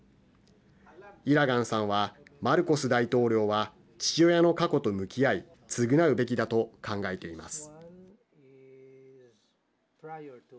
イラガンさんはマルコス大統領は父親の過去と向き合い償うべきだと考えています。